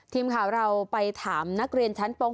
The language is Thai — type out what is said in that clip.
ทีมข่าวเราไปถามนักเรียนชั้นป๖